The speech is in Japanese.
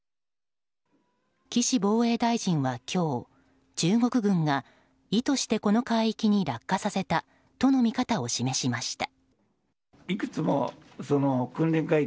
岸防衛大臣は今日中国軍が意図してこの海域に落下させたとの見方を示しました。